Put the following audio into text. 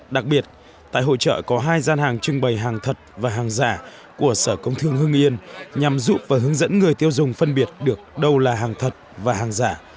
đặc biệt tại hội trợ có hai gian hàng trưng bày hàng thật và hàng giả của sở công thương hương yên nhằm giúp và hướng dẫn người tiêu dùng phân biệt được đâu là hàng thật và hàng giả